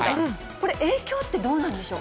これ、影響ってどうなんでしょう？